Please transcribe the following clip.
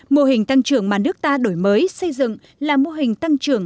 mô hình tăng trường mà nước ta đổi mới xây dựng là mô hình tăng trường